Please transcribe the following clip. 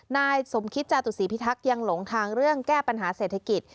นายสมคิตจาตุศีพิทักษ์ยังหลงทางเรื่องแก้ปัญหาเศรษฐกิจ